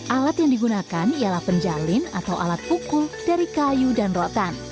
alat yang digunakan ialah penjalin atau alat pukul dari kayu dan rotan